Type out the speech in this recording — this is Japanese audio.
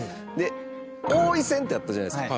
王位戦ってあったじゃないですか。